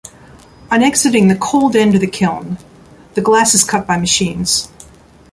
On exiting the "cold end" of the kiln, the glass is cut by machines.